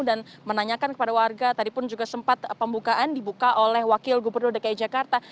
dan menanyakan kepada warga tadi pun juga sempat pembukaan dibuka oleh wakil gubernur dki jakarta